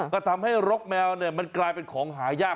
ก็ทำให้รกแมวมันกลายเป็นของหายาก